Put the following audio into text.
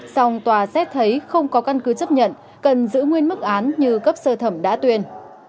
xong tòa xét thấy không có căn cứ chấp nhận cần giữ nguyên mức án như cấp sơ thẩm đã tuyên